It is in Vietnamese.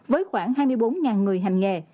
với khoảng hai mươi bốn người hành nghề